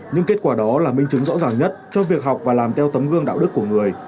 những kết quả đó là minh chứng rõ ràng nhất cho việc học và làm theo tấm gương đạo đức của người